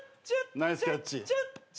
ナイスキャッチ。